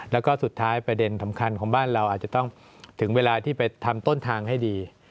แล้วก็สุดท้ายประเด็นสำคัญของบ้านเราอาจจะต้องถึงเวลาที่ไปทำต้นทางให้ดี